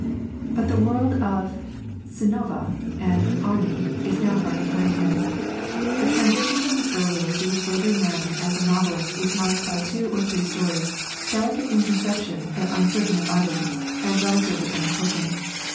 But the world of 'Synnöve' and 'Arne' is now far behind him. The transition from his earlier to his later manner as a novelist is marked by two or three stories delicate in conception but uncertain of utterance, and relatively unimportant.